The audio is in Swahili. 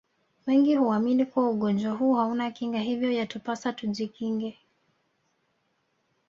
Wengi huamini kuwa ugonjwa huu hauna Kinga hivyo yatupasa tujikinge